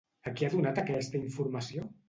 A qui ha donat aquesta informació?